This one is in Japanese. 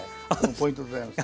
ポイントでございます。